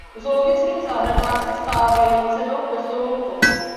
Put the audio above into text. V zoologických zahradách se stávají cennou posilou chovu.